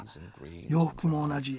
洋服も同じ。